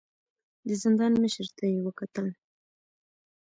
د زندان مشر ته يې وکتل.